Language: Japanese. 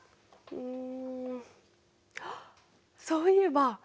うん。